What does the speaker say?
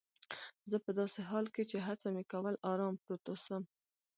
زه په داسې حال کې چي هڅه مې کول آرام پروت اوسم.